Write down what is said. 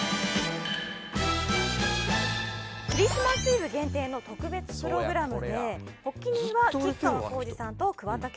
クリスマスイブ限定の特別プログラムで発起人は吉川晃司さんと桑田佳祐さん。